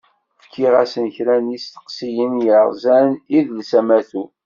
Fkiɣ-asen kra n yisteqsiyen yerzan idles amatu.